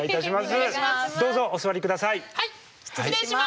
失礼します。